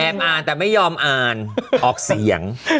อ่านแต่ไม่ยอมอ่านออกเสียง